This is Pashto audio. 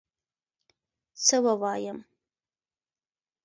څه ووایم